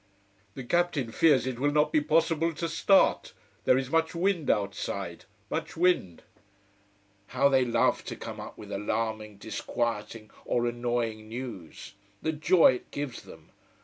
"The captain fears it will not be possible to start. There is much wind outside. Much wind!" How they love to come up with alarming, disquieting, or annoying news! The joy it gives them.